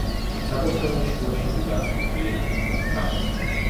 საკურთხევლის შუაში დგას მთლიანი ქვის ტრაპეზი.